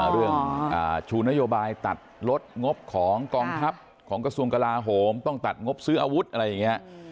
ชูนโยบายตัดลดงบของกองทัพของกระทรวงกลาโหมต้องตัดงบซื้ออาวุธอะไรอย่างนี้